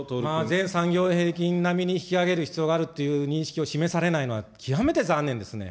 全産業平均並みに引き上げる必要があるっていう認識を示されないのは、極めて残念ですね。